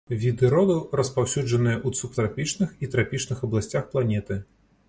Віды роду распаўсюджаныя ў субтрапічных і трапічных абласцях планеты.